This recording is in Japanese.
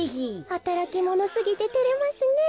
はたらきものすぎててれますねえ。